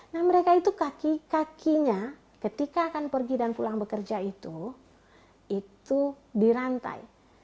nah mereka itu kaki kakinya ketika akan pergi dan pulang bekerja itu itu dirantai